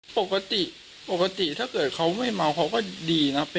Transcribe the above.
ปกติถ้าเกิดเขาไม่เมาก็ดีนะ